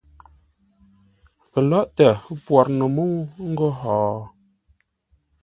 Pəlóghʼtə pwor no mə́u ńgó hó?